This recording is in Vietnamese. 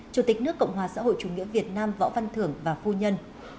chủ tịch nước cộng hòa xã hội chủ nghĩa việt nam võ văn thưởng và phu nhân